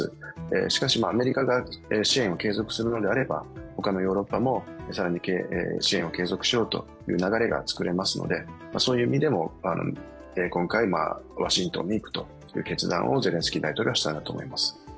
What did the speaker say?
しかし、アメリカが支援を継続するのであれば他のヨーロッパも更に支援を継続しようという流れが作れますのでそういう意味でも今回、ワシントンに行くという決断をゼレンスキー大統領はしたんだと思います。